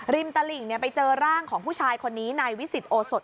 ตลิ่งไปเจอร่างของผู้ชายคนนี้ในวิสิตโอสด